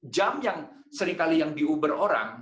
jam yang seringkali yang di uber orang